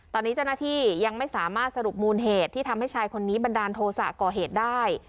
ตอนนี้เจ้าหน้าที่ยังไม่สามารถสรุปมูลเหตุที่ทำให้ชายคนนี้บันดาลโทษะก่อเหตุได้